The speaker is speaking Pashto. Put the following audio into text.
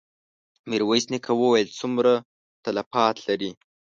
ميرويس نيکه وويل: څومره تلفات لرې؟